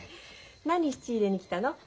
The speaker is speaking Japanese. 何質入れに来たの？